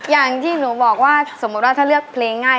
อย่างที่หนูบอกว่าสมมุติว่าถ้าเลือกเพลงง่าย